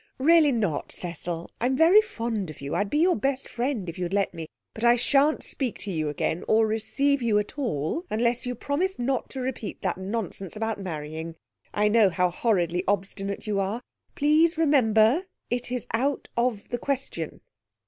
'Really not, Cecil. I'm very fond of you. I'd be your best friend if you'd let me, but I shan't speak to you again or receive you at all unless you promise not to repeat that nonsense about marrying. I know how horridly obstinate you are! Please remember it's out of the question.'